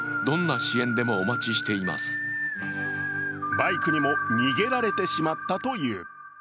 バイクにも逃げられてしまったという。